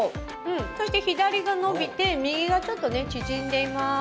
そして左が伸びて、右がちょっとね、縮んでいます。